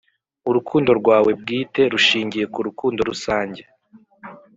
urukundo rwawe bwite rushingiye ku rukundo rusange.